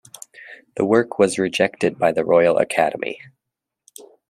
The work was rejected by the Royal Academy.